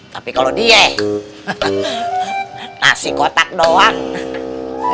tapi kalau dieh nasi kotak doang